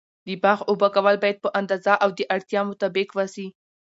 د باغ اوبه کول باید په اندازه او د اړتیا مطابق و سي.